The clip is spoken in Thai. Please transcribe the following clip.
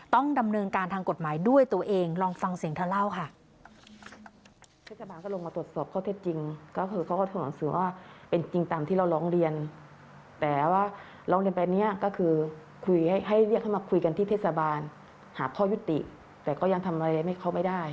ต้องดำเนินการทางกฎหมายด้วยตัวเองลองฟังเสียงเธอเล่าค่ะ